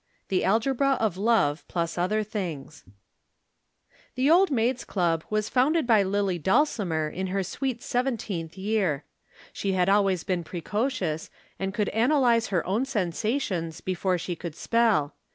THE ALGEBRA OF LOVE, PLUS OTHER THINGS. THE Old Maids' Club was founded by Lillie Dulcimer in her sweet seventeenth year. She had always been precocious and could analyze her own sensations before she could spell.